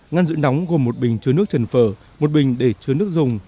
ngăn giữ nóng gồm một bình chứa nước trần phở một bình để chứa nước dùng